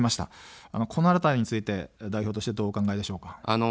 このあたりについて代表としてはどうお考えでしょうか。